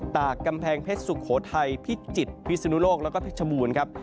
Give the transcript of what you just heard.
ตากกำแพงเพชรสุโขทัยพิจิตรพิศนุโลกแล้วก็เพชรบูรณ์ครับ